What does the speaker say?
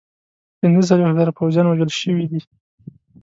پنځه څلوېښت زره پوځیان وژل شوي دي.